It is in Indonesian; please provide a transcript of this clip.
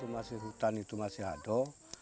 masih hutan itu masih ada